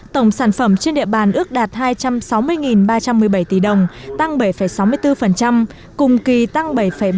tổng sản phẩm trên địa bàn ước đạt hai trăm sáu mươi ba trăm một mươi bảy tỷ đồng tăng bảy sáu mươi bốn cùng kỳ tăng bảy bảy